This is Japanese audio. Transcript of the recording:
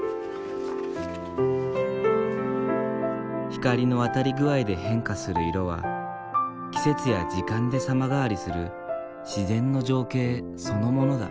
光の当たり具合で変化する色は季節や時間で様変わりする自然の情景そのものだ。